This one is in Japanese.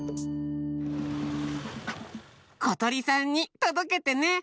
ことりさんにとどけてね！